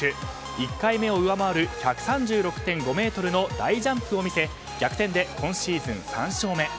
１回目を上回る１３６．５ｍの大ジャンプを見せ逆転で今シーズン３勝目。